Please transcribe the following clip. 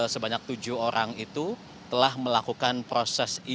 sebanyak tujuh orang itu telah melakukan proses evakuasi